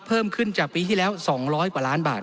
เพิ่มขึ้นจากปีที่แล้ว๒๐๐กว่าล้านบาท